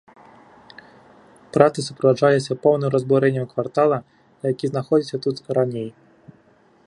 Працы суправаджаліся поўным разбурэннем квартала, які знаходзіўся тут раней.